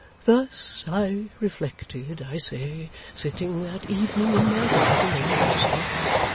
'Thus I reflected, I say, sitting that evening in my garden on the housetop.